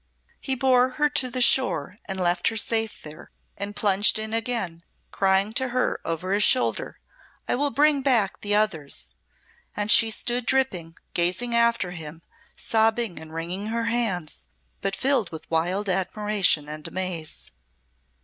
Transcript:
He bore her to the shore and left her safe there, and plunged in again, crying to her, over his shoulder: "I will bring back the others!" And she stood dripping, gazing after him, sobbing and wringing her hands, but filled with wild admiration and amaze.